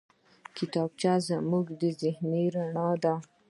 کتابچه زموږ ذهني رڼا ده